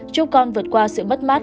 chúc con vượt qua sự mất mát